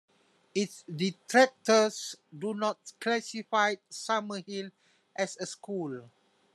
Its detractors do not classify Summerhill as a school.